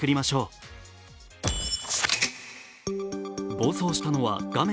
暴走したのは画面